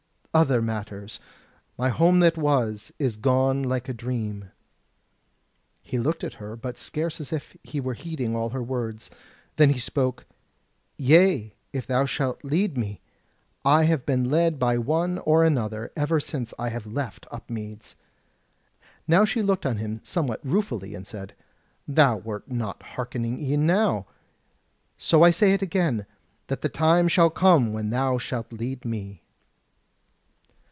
other matters, my home that was is gone like a dream." He looked at her, but scarce as if he were heeding all her words. Then he spoke: "Yea, thou shalt lead me. I have been led by one or another ever since I have left Upmeads." Now she looked on him somewhat ruefully, and said: "Thou wert not hearkening e'en now; so I say it again, that the time shall come when thou shalt lead me."